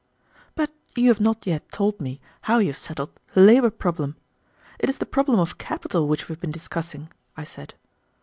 "But you have not yet told me how you have settled the labor problem. It is the problem of capital which we have been discussing," I said.